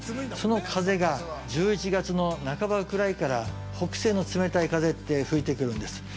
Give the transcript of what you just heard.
その風が１１月の半ばぐらいから北西の冷たい風って吹いてくるんです。